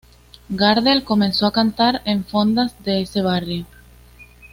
Gardel comenzó a cantar en fondas de ese barrio.